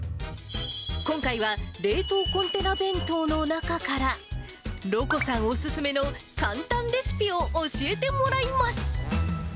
今回は、冷凍コンテナ弁当の中から、ろこさんお勧めの簡単レシピを教えてもらいます。